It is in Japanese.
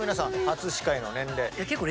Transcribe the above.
初司会の年齢。